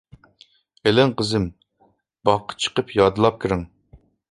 -ئېلىڭ، قىزىم، باغقا چىقىپ يادلاپ كىرىڭ.